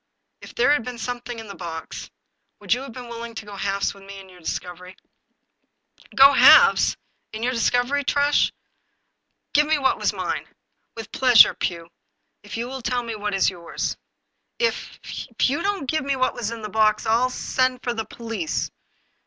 If there had been something in the box, would you have been willing to go halves with me in my discovery ?"" Go halves I In your discovery. Tress ! Give me what is mine !" "With pleasure, Pugh, if you will tell me what is yours." " If — if you don't give me what was in the box I'll — I'll send for the police."